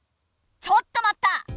ちょっと待った！